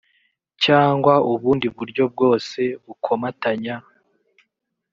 cyangwa ubundi buryo bwose bukomatanya